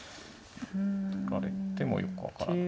突かれてもよく分からない。